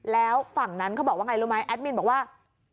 แล้วฝั่งนั้นเขาบอกว่าไงรู้ไหมแอดมินบอกว่า